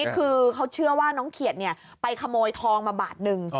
คือเขาเชื่อว่าน้องเขียดไปขโมยทองมาบาทหนึ่ง